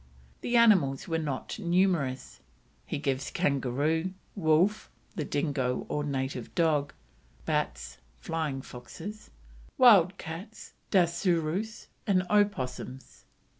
The animals were not numerous; he gives kangaroo, wolf (the dingo or native dog), bats (flying foxes), wild cats (dasyurus), and opossums.